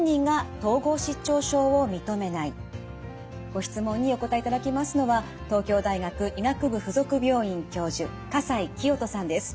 ご質問にお答えいただきますのは東京大学医学部附属病院教授笠井清登さんです。